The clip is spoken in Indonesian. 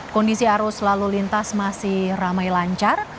kondisi arus lalu lintas masih ramai lancar